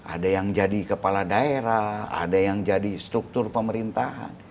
ada yang jadi kepala daerah ada yang jadi struktur pemerintahan